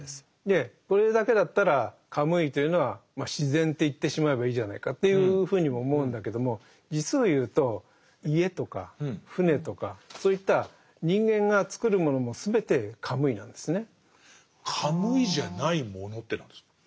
これだけだったらカムイというのは「自然」って言ってしまえばいいじゃないかというふうにも思うんだけども実を言うと家とか舟とかそういった人間が作るものも全てカムイなんですね。